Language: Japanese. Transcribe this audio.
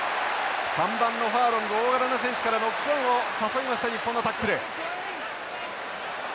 ３番のファーロング大柄な選手からノックオンを誘いました日本のタックル。